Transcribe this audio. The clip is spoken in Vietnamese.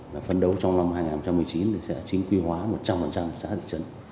là phân đấu trong năm hai nghìn một mươi chín sẽ chính quyền hóa một trăm linh xã thị trấn